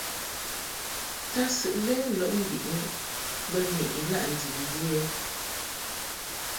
Tadsɨʼ lɛ lɔʼ mbiʼni bə ni ilaʼ ndib ɛ ?